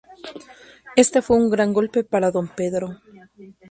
Este fue un gran golpe para Don Pedro.